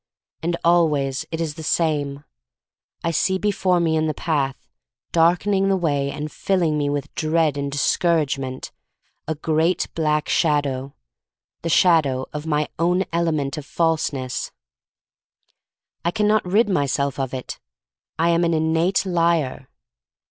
And always it is the same: I see before me in the path, darkening the way and filling me with dread and discourage THE STORY OF MARY MAC LANE 1 37 ment, a great black shadow — the shadow of my own element of false ness. I can not rid myself of it. I am an innate liar.